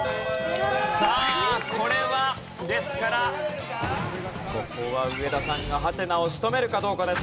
さあこれはですからここは上田さんがハテナを仕留めるかどうかです。